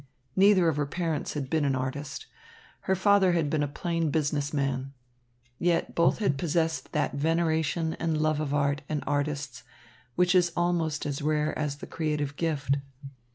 Neither of her parents had been an artist. Her father had been a plain business man. Yet both had possessed that veneration and love of art and artists which is almost as rare as the creative gift.